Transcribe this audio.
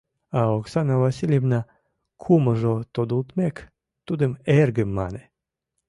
А Оксана Васильевна, кумылжо тодылтмек, тудым «эргым» мане.